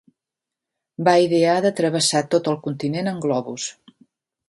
Va idear de travessar tot el continent en globus.